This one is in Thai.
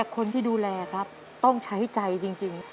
คนที่ดูแลครับต้องใช้ใจจริง